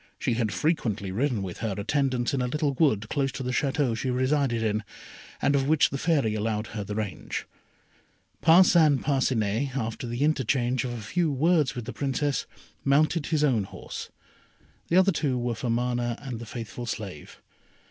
She had frequently ridden with her attendants in a little wood close to the Château she resided in, and of which the Fairy allowed her the range. Parcin Parcinet, after the interchange of a few words with the Princess, mounted his own horse. The other two were for Mana and the faithful slave.